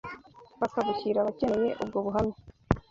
bakabushyira abakeneye ubwo buhamya.